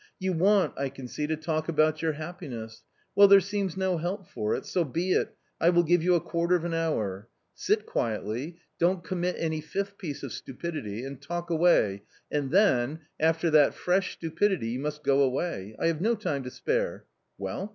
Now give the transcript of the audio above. You want, I can see, to talk about your happiness. Well, there seems no help for it, so be it, I will give you a quarter of an hour; sit quietly, don't commit any fifth piece of stupidity, and talk away, and then, after that fresh stupidity you must go away ; I have no time to spare. Well